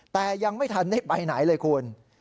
แต่ยังไม่ทันได้ไปไหนเลยคุณ